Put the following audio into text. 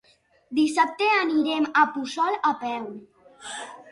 Dissabte anirem a Puçol a peu.